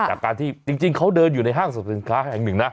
จากการที่จริงเขาเดินอยู่ในห้างสนุนค้าแห่ง๑นะ